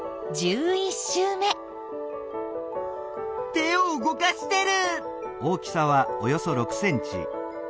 手を動かしてる！